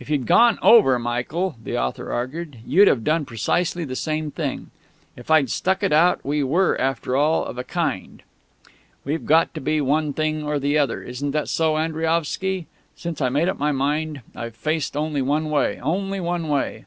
"If you'd gone over, Michael," that author argued, "you'd have done precisely the same thing. If I'd stuck it out, we were, after all, of a kind; We've got to be one thing or the other isn't that so, Andriaovsky? Since I made up my mind, I've faced only one way only one way.